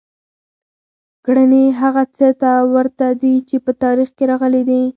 کړنې هغه څه ته ورته دي چې په تاریخ کې راغلي دي.